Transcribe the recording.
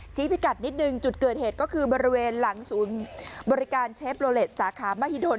พิกัดนิดนึงจุดเกิดเหตุก็คือบริเวณหลังศูนย์บริการเชฟโลเลสสาขามหิดล